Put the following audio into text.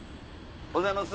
おはようございます。